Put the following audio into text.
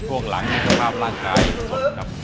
ช่วงหลังมีความร่างกายสดครับ